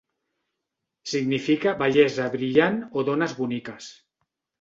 Significa "bellesa brillant" o "dones boniques".